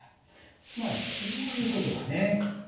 つまりこういう事だね。